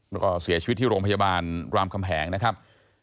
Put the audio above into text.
แล้วก็เสียชีวิตที่โรงพยาบาลรามคำแหงนะครับ